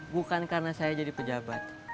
bukan karena saya jadi pejabat